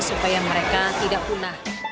supaya mereka tidak punah